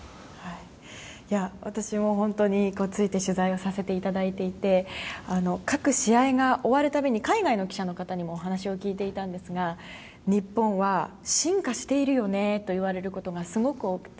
私も本当に取材させていただいて各試合が終わるたびに海外の記者の方にもお話を聞いていたんですが日本は進化しているよねといわれることがすごく多くて。